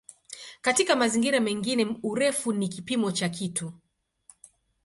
Katika mazingira mengine "urefu" ni kipimo cha kitu.